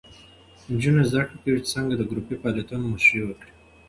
نجونې زده کوي چې څنګه د ګروپي فعالیتونو مشري وکړي.